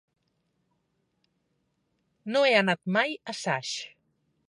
No he anat mai a Saix.